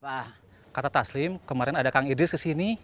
wah kata taslim kemarin ada kang idris kesini